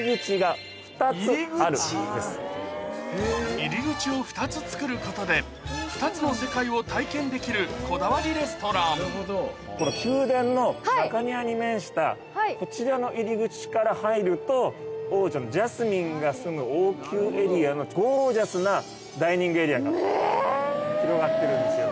入り口を２つ作ることで２つの世界を体験できるこだわりレストラン宮殿の中庭に面したこちらの入り口から入ると王女のジャスミンが住む王宮エリアのゴージャスなダイニングエリアが広がってるんですよ。